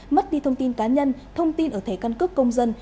mất đi thông tin cá nhân thông tin ở thẻ căn cước công dân